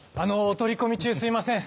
お取り込み中すいません。